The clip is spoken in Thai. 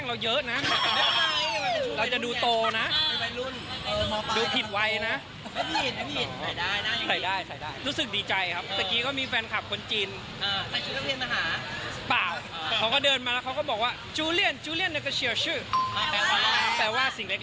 อ๋อแล้วให้ตัวตอบกลับไปว่า